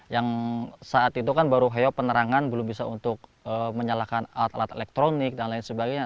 yang saat itu kan baru heok penerangan belum bisa untuk menyalakan alat alat elektronik dan lain sebagainya